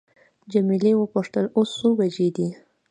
جميله وپوښتل اوس څو بجې دي.